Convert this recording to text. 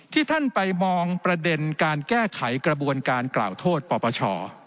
ท่านไปมองประเด็นการแก้ไขกระบวนการกล่าวโทษปปช